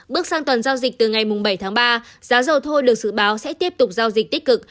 bước sang tuần giao dịch từ ngày mùng bảy tháng ba giá dầu thô được sử báo sẽ tiếp tục giao dịch tích cực